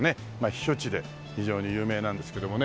避暑地で非常に有名なんですけどもね。